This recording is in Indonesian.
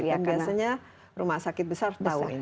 biasanya rumah sakit besar tahu ini